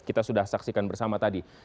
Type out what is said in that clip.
kita sudah saksikan bersama tadi